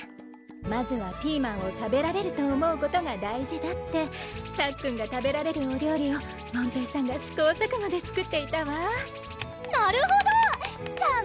まずはピーマンを食べられると思うことが大事だってたっくんが食べられるお料理を門平さんが試行錯誤で作っていたわなるほどじゃあ